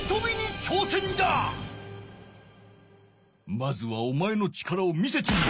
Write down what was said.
まずはおまえの力を見せてみよ。